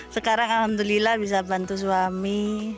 sekarang alhamdulillah bisa bantu suami